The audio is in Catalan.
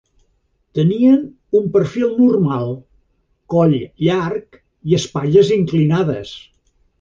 Tenien un perfil normal, coll llarg i espatlles inclinades.